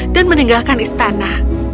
dan meninggalkan istana